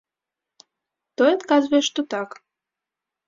Той адказвае, што так.